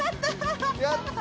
やったぁ！